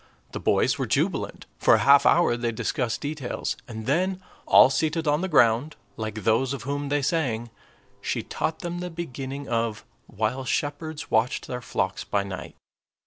The boys were jubilant; for a half hour they discussed details; and then, "all seated on the ground," like those of whom they sang, she taught them the beginning of, "While shepherds watched their flocks by night."